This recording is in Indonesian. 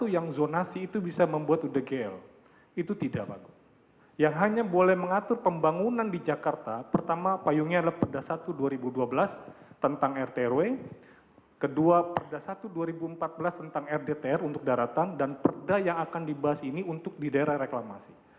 yang hanya boleh mengatur pembangunan di jakarta pertama payungnya adalah perda satu dua ribu dua belas tentang rtrw kedua perda satu dua ribu empat belas tentang rdtr untuk daratan dan perda yang akan dibahas ini untuk di daerah reklamasi